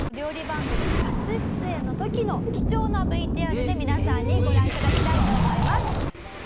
番組初出演の時の貴重なＶＴＲで皆さんにご覧いただきたいと思います。